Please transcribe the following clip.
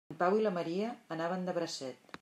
En Pau i la Maria anaven de bracet.